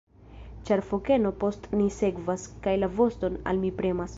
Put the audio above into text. Ĉar fokeno post ni sekvas, kaj la voston al mi premas!